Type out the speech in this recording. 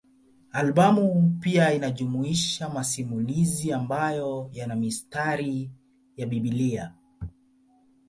Albamu pia inajumuisha masimulizi ambayo yana mistari ya Biblia.